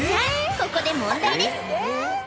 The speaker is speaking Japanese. ここで問題です